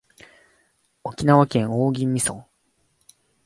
沖縄県大宜味村